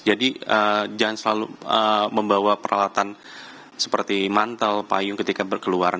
jadi jangan selalu membawa peralatan seperti mantel payung ketika berkeluaran